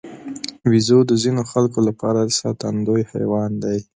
بیزو د ځینو خلکو لپاره ساتندوی حیوان دی.